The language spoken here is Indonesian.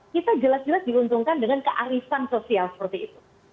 kita jelas jelas diuntungkan dengan kearifan sosial seperti itu